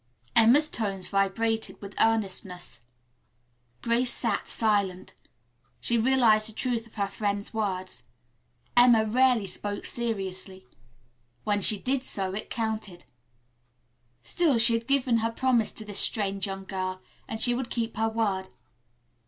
Emma's tones vibrated with earnestness. Grace sat silent. She realized the truth of her friend's words. Emma rarely spoke seriously. When she did so, it counted. Still, she had given her promise to this strange young girl, and she would keep her word.